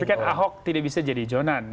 tapi kan ahok tidak bisa jadi jonan